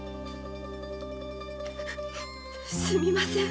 すみません。